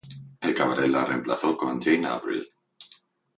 El cabaret la reemplazó con Jane Avril.